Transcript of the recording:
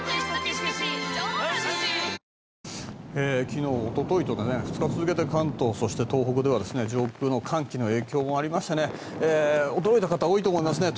昨日、おとといと２日続けて関東そして東北では上空の寒気の影響もありまして驚いた方、多いと思いますね。